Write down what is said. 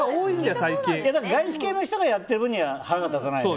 外資系の人がやってる分には腹が立たない。